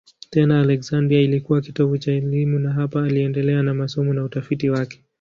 Tena Aleksandria ilikuwa kitovu cha elimu na hapa aliendelea na masomo na utafiti wake.